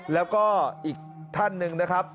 แล้วก็อีกท่านหนึ่งนะครับ